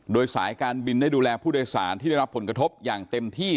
โดยสายการบินได้ดูแลผู้โดยสารที่ได้รับผลกระทบอย่างเต็มที่